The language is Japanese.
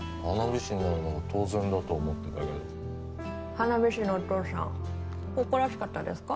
花火師のお父さん誇らしかったですか？